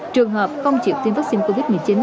trường hợp không chịu tiêm vaccine covid một mươi chín